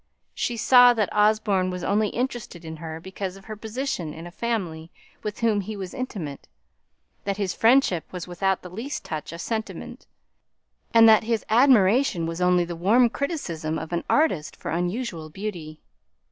She saw that Osborne was only interested in her because of her position in a family with whom he was intimate; that his friendship was without the least touch of sentiment; and that his admiration was only the warm criticism of an artist for unusual beauty.